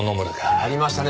ありましたね